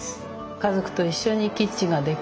家族と一緒にキッチンができる。